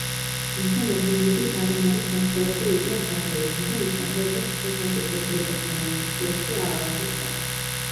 თუმცა მოგვიანებით არემარე საცხოვრებელ უბნად გადაიქცა და მოსახლეობას ძველ დაწესებულებასთან ასოციაცია აღარ სურდა.